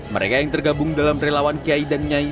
mereka yang tergabung dalam relawan kiai dan nyai